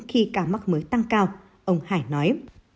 khi ca mắc mới tăng cao ông hải nói